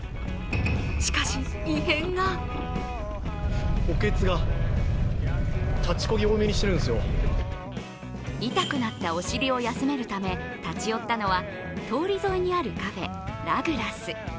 しかし異変が痛くなったお尻を休めるため、立ち寄ったのは通り沿いにあるカフェ、ラグラス。